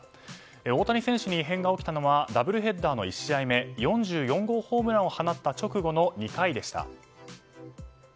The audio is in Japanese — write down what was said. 大谷選手に異変が起きたのはダブルヘッダーの１試合目４４号ホームランを放った直後の２回でした。